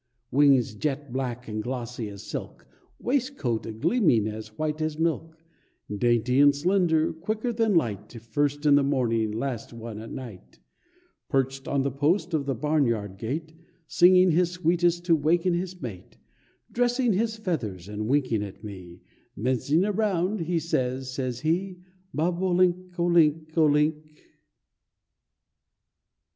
Wings jet black and glossy as silk, Waistcoat a gleaming as white as milk; Dainty and slender, quicker than light, First in the morning, last one at night, Perched on the post of the barn yard gate, Singing his sweetest to waken his mate; Dressing his feathers and winking at me, Mincing around, he says, says he "Bob o link, o link, o link."